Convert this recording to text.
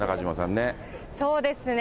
そうですね。